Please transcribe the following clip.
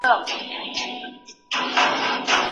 د مکتوبونو سرلیکونه به په مساوي توګه لیکل کیږي.